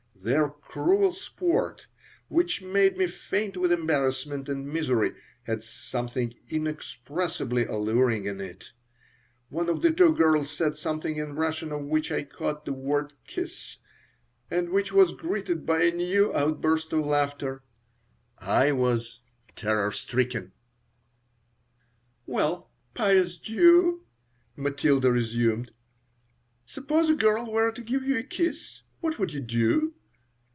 Their cruel sport, which made me faint with embarrassment and misery, had something inexpressibly alluring in it One of the two girls said something in Russian of which I caught the word "kiss" and which was greeted by a new outburst of laughter. I was terror stricken "Well, pious Jew!" Matilda resumed. "Suppose a girl were to give you a kiss. What would you do?